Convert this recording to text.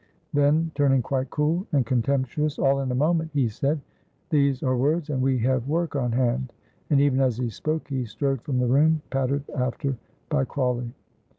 Then turning quite cool and contemptuous all in a moment, he said, "These are words, and we have work on hand;" and, even as he spoke, he strode from the room pattered after by Crawley.